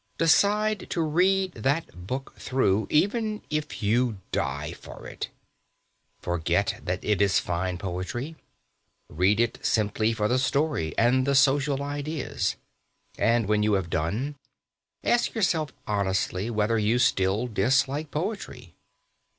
Decide to read that book through, even if you die for it. Forget that it is fine poetry. Read it simply for the story and the social ideas. And when you have done, ask yourself honestly whether you still dislike poetry.